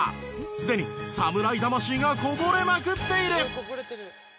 すでに侍魂がこぼれまくっている。